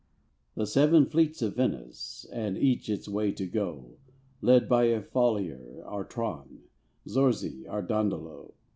The seven fleets of Venice And each its way to go, Led by a Falier or Tron, Zorzi or Dandalo.